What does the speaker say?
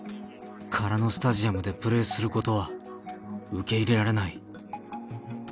空のスタジアムでプレーすることは受け入れられない。